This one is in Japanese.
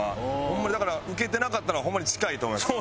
だからウケてなかったのはホンマに近いと思います。